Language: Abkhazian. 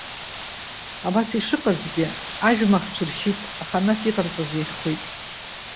Абас ишыҟазгьы, ажәмахҽ ршьит, аха нас иҟарҵаз иахьхәит.